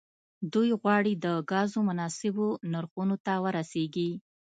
دوی غواړي د ګازو مناسبو نرخونو ته ورسیږي